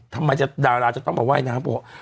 ทำไมดาราจะต้องมาว่ายน้ำ